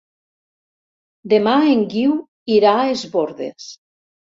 Demà en Guiu irà a Es Bòrdes.